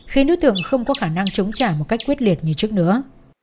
khiến đối tượng không có khả năng chống trả một cách quyết liệt như trước nữa